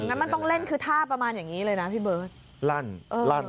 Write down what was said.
อย่างนั้นมันต้องเล่นคือท่าประมาณอย่างงี้เลยนะพี่เบิร์ด